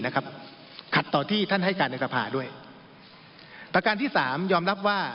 ขัดต่อที่ท่านให้การในสภาด้วยประการที่สามยอมรับว่า